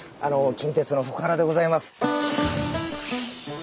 近鉄の福原でございます。